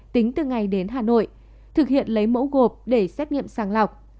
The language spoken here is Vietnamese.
tính từ ngày đến hà nội thực hiện lấy mẫu gộp để xét nghiệm sàng lọc